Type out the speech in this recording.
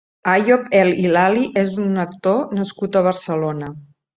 Ayoub El Hilali és un actor nascut a Barcelona.